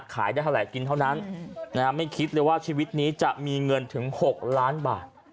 ขายได้เท่าไหร่กินเท่านั้นไม่คิดเลยว่าชีวิตนี้จะมีเงินถึง๖ล้านบาท